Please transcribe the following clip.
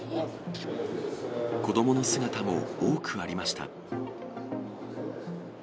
子どもの姿も多くありました。